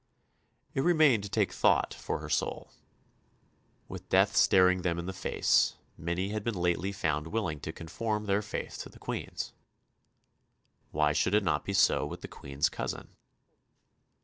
It remained to take thought for her soul. With death staring them in the face, many had been lately found willing to conform their faith to the Queen's. Why should it not be so with the Queen's cousin?